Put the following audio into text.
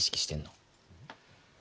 意識しての？